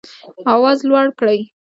آواز لوړ کړئ